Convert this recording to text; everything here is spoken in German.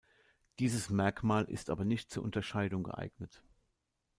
Dieses Merkmal ist aber nicht zur Unterscheidung geeignet.